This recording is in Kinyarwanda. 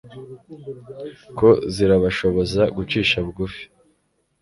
ko zirabashoboza gucisha bugufi